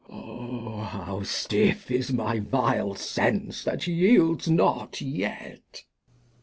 Glost. How stiff is my vUe Sense, that yields not yet